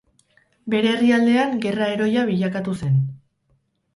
Bere herrialdean gerra heroia bilakatu zen.